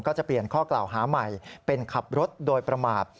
ก็จะเปลี่ยนข้อกล่าวหาใหม่เป็นขับรถโดยประมาท